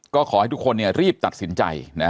ก็ขอให้ทุกคนรีบตัดสินใจ